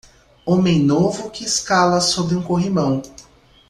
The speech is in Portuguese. Homem novo que escala sobre um corrimão.